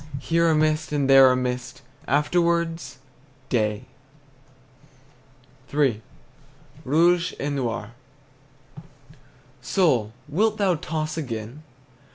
Here a mist, and there a mist, Afterwards day! III. ROUGE ET NOIR. Soul, wilt thou toss again?